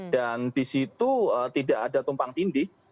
dan di situ tidak ada tumpang tindih